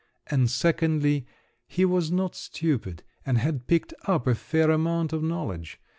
And secondly, he was not stupid and had picked up a fair amount of knowledge.